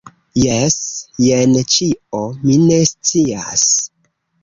Jes. Jen ĉio. Mi ne scias!